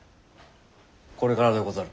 これからでござる。